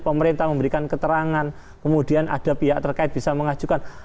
pemerintah memberikan keterangan kemudian ada pihak terkait bisa mengajukan